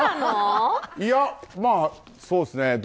いや、まあそうですね。